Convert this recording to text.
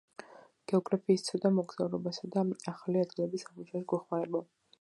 გეოგრაფიის ცოდნა მოგზაურობასა და ახალი ადგილების აღმოჩენაში გვეხმარება